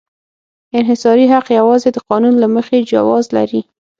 انحصاري حق یوازې د قانون له مخې جواز لري.